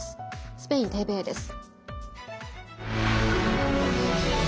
スペインＴＶＥです。